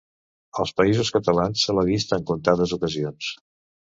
Als Països Catalans se l'ha vist en contades ocasions.